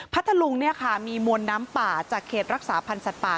ทะลุงเนี่ยค่ะมีมวลน้ำป่าจากเขตรักษาพันธ์สัตว์ป่า